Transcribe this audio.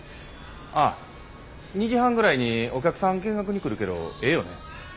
ああ２時半ぐらいにお客さん見学に来るけどええよね？